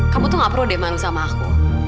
kamu tuh gak perlu deh malu sama aku